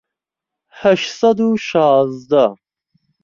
هەشت سەد و شازدە